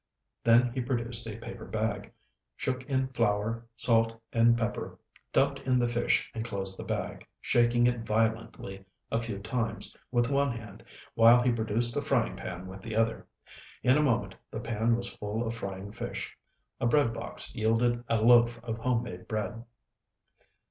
Then he produced a paper bag, shook in flour, salt and pepper, dumped in the fish and closed the bag, shaking it violently a few times with one hand while he produced a frying pan with the other. In a moment the pan was full of frying fish. A breadbox yielded a loaf of homemade bread.